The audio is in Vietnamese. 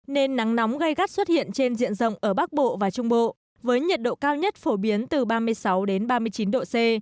nên nắng nóng gai gắt xuất hiện trên diện rộng ở bắc bộ và trung bộ với nhiệt độ cao nhất phổ biến từ ba mươi sáu ba mươi chín độ c